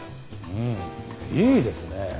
うんいいですね！